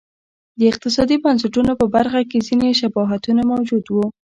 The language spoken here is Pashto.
د اقتصادي بنسټونو په برخه کې ځیني شباهتونه موجود و.